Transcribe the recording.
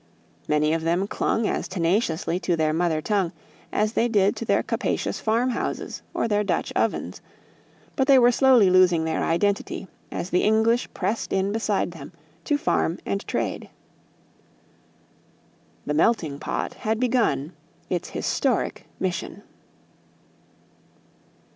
Many of them clung as tenaciously to their mother tongue as they did to their capacious farmhouses or their Dutch ovens; but they were slowly losing their identity as the English pressed in beside them to farm and trade. The melting pot had begun its historic mission.